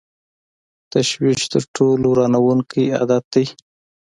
تشویش تر ټولو ورانوونکی عادت دی.